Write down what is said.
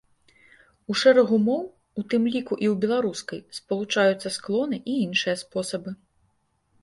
У шэрагу моў, у тым ліку і ў беларускай, спалучаюцца склоны і іншыя спосабы.